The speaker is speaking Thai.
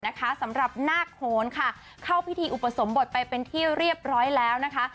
สำหรับนาคโฮนค่ะเข้าพิธีอุปสมบทไปเป็นที่เรียบร้อยแล้วนะคะ